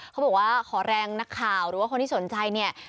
เขาบอกว่าขอแรงนักข่าวหรือว่าคนที่สนใจเนี่ย